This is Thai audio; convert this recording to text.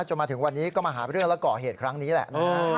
จนถึงวันนี้ก็มาหาเรื่องแล้วก่อเหตุครั้งนี้แหละนะฮะ